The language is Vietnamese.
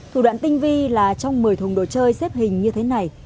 thủ đoạn tinh vi là trong một mươi thùng đồ chơi xếp hình như thế này